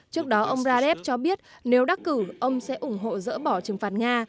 trước đó ông raf cho biết nếu đắc cử ông sẽ ủng hộ dỡ bỏ trừng phạt nga